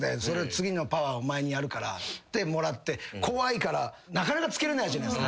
「次のパワーお前にやるから」もらって怖いからなかなか着けれないじゃないっすか。